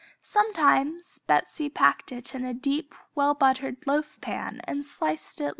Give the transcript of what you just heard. Sometimes Betsey packed it in a deep, well buttered loaf pan and sliced like cake.